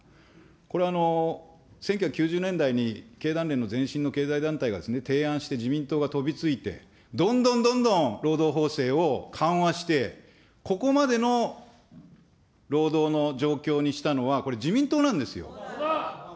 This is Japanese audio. これ、１９９０年代に経団連の前身の経済団体が提案して、自民党が飛びついて、どんどんどんどん労働法制を緩和して、ここまでの労働の状況にしたのは、これ、自民党なんですよ。